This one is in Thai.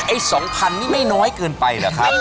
ไอ้๒พันเนี่ยไม่น้อยเกินไปเหรอครับ